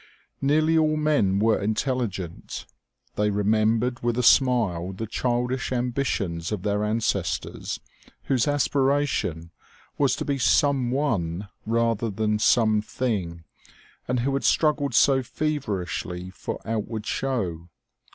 Nearly all men were intelligent. They remembered with a smile the childish ambitions of their ancestors whose aspiration was to be someone rather than someMz , and who had struggled so feverishly for outward show.